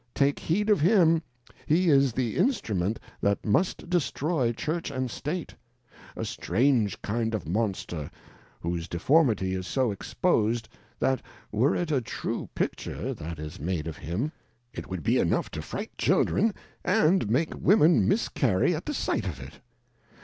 take heed of him, he is the InsixuraentJJiaLMmst de&troyJJlmnih^ and State'; a strange kind of Monster, whose deformity is so expos'' d, that, were it a true Picture that is made of him, it would he enough to fright Children, and make Women miscarry at the sight of it.